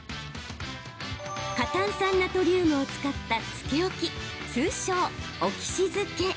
過炭酸ナトリウムを使ったつけ置き、通称「オキシ漬け」。